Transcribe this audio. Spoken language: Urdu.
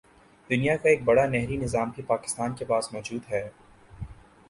دنیا کا ایک بڑا نہری نظام بھی پاکستان کے پاس موجود ہے